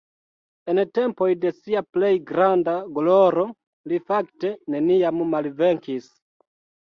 En tempoj de sia plej granda gloro li fakte neniam malvenkis.